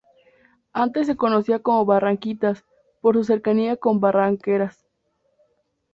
Antes se conocía como Barranquitas, por su cercanía con Barranqueras.